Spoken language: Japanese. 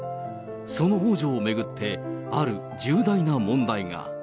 その王女を巡って、ある重大な問題が。